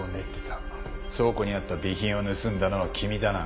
倉庫にあった備品を盗んだのは君だな。